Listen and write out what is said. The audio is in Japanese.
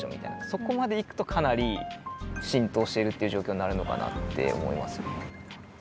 そこまでいくとかなり浸透しているっていう状況になるのかなって思いますね。